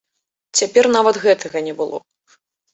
Цяпер нават гэтага не было.